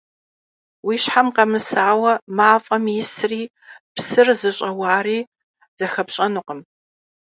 Уи щхьэм къэмысауэ мафӀэм исри псыр зыщӀэуари зыхэпщӀэнукъым.